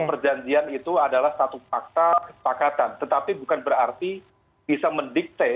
perjanjian itu adalah satu fakta kesepakatan tetapi bukan berarti bisa mendikte